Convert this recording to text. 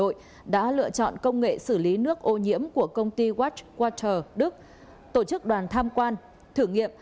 nguyễn đức trung đã lựa chọn công nghệ xử lý nước ô nhiễm của công ty watch water đức tổ chức đoàn tham quan thử nghiệm